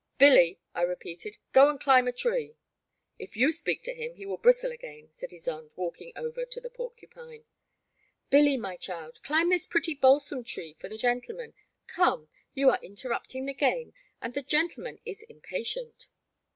Billy, I repeated, go and climb a tree. If you si)eak to him he will bristle again, said Ysonde, walking over to the porcupine. Billy, my child, climb this pretty balsam tree for the gentleman ; come — ^you are interrupting the game, and the gentleman is impatient.